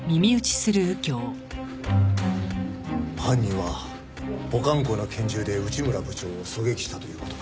犯人は保管庫の拳銃で内村部長を狙撃したという事か？